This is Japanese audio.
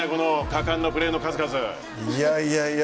果敢なプレーの数々。